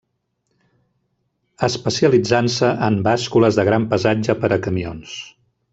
Especialitzant-se en bàscules de gran pesatge per a camions.